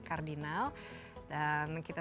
kardinal dan kita